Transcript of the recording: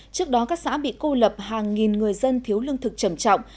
trước đó các xã bị cô lập hàng nghìn người dân thiếu lương thực trầm trọng